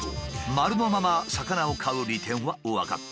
丸のまま魚を買う利点は分かった。